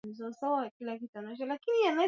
Ugali tamu sana.